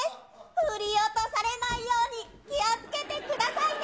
振り落とされないように気をつけてくださいね。